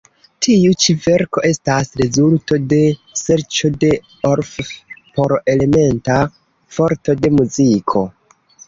Tiu ĉi verko estas rezulto de serĉo de Orff por elementa forto de muziko.